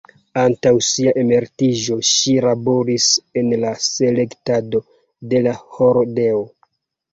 Antaŭ sia emeritiĝo, ŝi laboris en la selektado de la hordeo.